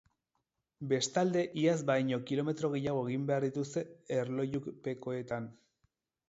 Bestalde, iaz baino kilometro gehiago egin behar dituzte erlojupekoetan.